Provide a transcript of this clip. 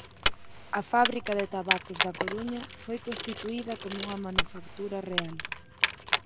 A Fábrica de Tabacos da Coruña foi constituída como unha manufactura real.